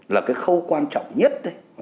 là cái khâu quan trọng nhất